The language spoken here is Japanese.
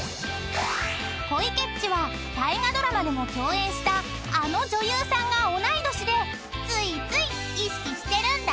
⁉［小池っちは大河ドラマでも共演したあの女優さんが同い年でついつい意識してるんだって］